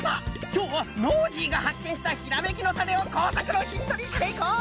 きょうはノージーがはっけんしたひらめきのタネをこうさくのヒントにしていこう！